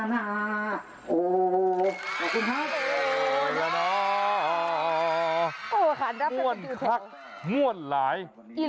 อากาศขาดรับที่จุดแถวม่วนคักม่วนไหล